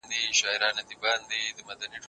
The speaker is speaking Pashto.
که وخت وي، بازار ته ځم؟